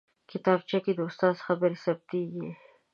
کتابچه کې د استاد خبرې ثبتېږي